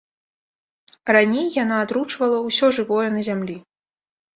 Раней яна атручвала ўсё жывое на зямлі.